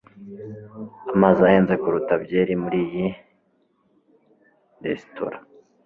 Amazi ahenze kuruta byeri muri iyi resitora.